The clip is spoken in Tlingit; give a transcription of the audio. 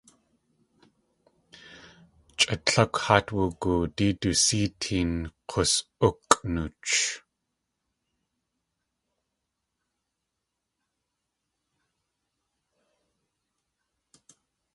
Chʼa tlákw haat wugoodí du sée teen k̲us.ukʼ nooch.